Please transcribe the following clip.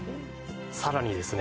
さらにですね